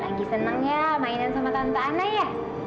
lagi seneng ya mainan sama tante ana ya